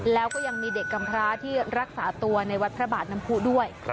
แล้วก็ยังมีเด็กกำพร้าที่รักษาตัวในวัดพระบาทน้ำผู้ด้วย